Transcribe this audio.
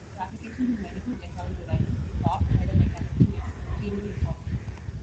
For applications in medical electronic devices this soft error mechanism may be extremely important.